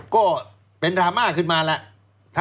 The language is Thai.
ก็เป็นดราม่าขึ้นมาแล้ว